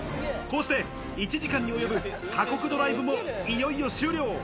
こうして１時間におよぶ過酷ドライブもいよいよ終了。